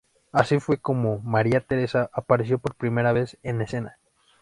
Así fue cómo María Teresa apareció por primera vez en escena.